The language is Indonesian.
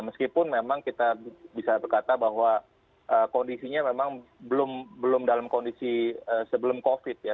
meskipun memang kita bisa berkata bahwa kondisinya memang belum dalam kondisi sebelum covid ya